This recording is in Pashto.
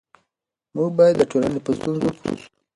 موږ باید د ټولنې په ستونزو پوه سو.